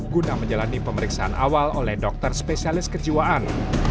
guna menjalani pemeriksaan awal oleh dokter spesialis kejiwaan